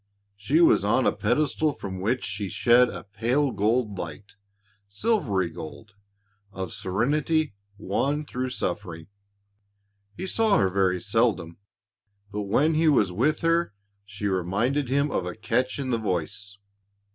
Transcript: She was on a pedestal from which she shed a pale gold light silvery gold of serenity won through suffering. He saw her very seldom, but when he was with her she reminded him of a catch in the voice.